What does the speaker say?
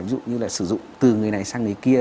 ví dụ như là sử dụng từ người này sang người kia